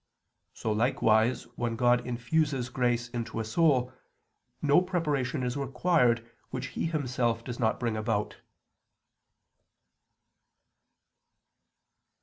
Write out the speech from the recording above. So likewise, when God infuses grace into a soul, no preparation is required which He Himself does not bring about.